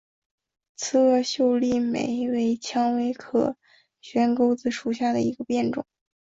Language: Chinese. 刺萼秀丽莓为蔷薇科悬钩子属下的一个变种。